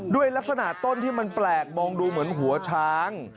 ด้วยลักษณะต้นที่มันแปลกมองดูเหมือนหัวช้าง